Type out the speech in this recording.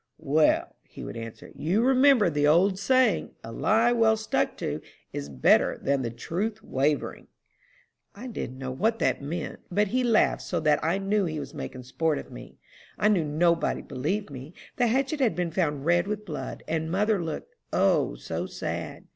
'" "'Well,' he would answer, 'you remember the old saying, A lie well stuck to, is better than the truth wavering.'" "I didn't know what that meant, but he laughed so that I knew he was making sport of me. I knew nobody believed me. The hatchet had been found red with blood, and mother looked, O, so sad!